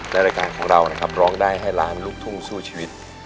และรายการของเรานะครับร้องได้ให้ล้านลูกทุ่งสู้ชีวิต